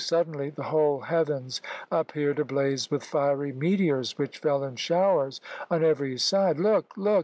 Suddenly the whole heavens appeared ablaze with fiery meteors, which fell in showers on every side. "Look look!